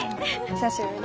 久しぶり。